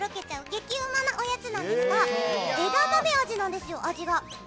激うまのおやつなんですが枝豆味なんですよ。